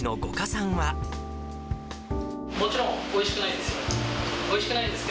もちろんおいしくないですよ。